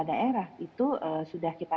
daerah itu sudah kita